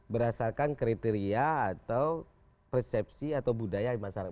berdasarkan kriteria atau persepsi atau budaya masyarakat